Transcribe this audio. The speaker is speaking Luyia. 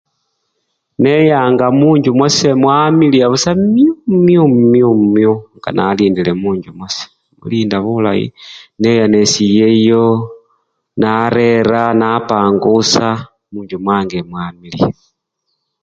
Neyanga munjju mwase mwamiliya busa mywuu-mywu-mywu nga nalindile munjju mwase mulinda bulayi neya nesiyeyo, narera napangusha munjju mwange mwamiliya.